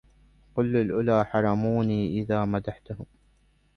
قل للألى حرموني إذ مدحتهم